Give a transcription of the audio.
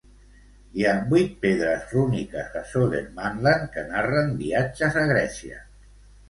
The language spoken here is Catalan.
Hi ha vuit pedres rúniques a Södermanland que narren viatges a Grècia.